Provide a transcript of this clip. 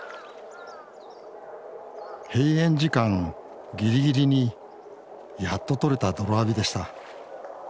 閉園時間ギリギリにやっと撮れた泥浴びでした。